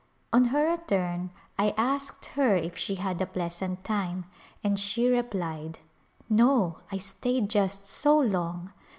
On her return I asked her if she had a pleasant time and she replied, " No, I stayed just so long